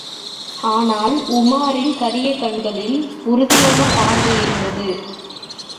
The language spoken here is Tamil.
ஆனால் உமாரின் கரிய கண்களிலே உறுதியான பார்வையிருந்தது.